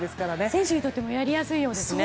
選手にとってもやりやすいようですね。